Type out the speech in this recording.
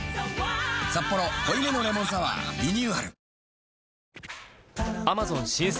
「サッポロ濃いめのレモンサワー」リニューアル